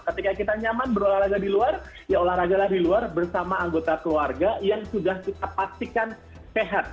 ketika kita nyaman berolahraga di luar ya olahragalah di luar bersama anggota keluarga yang sudah kita pastikan sehat